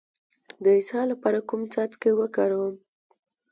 د اسهال لپاره کوم څاڅکي وکاروم؟